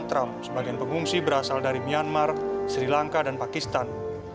trump sebagian pengungsi berasal dari myanmar sri lanka dan pakistan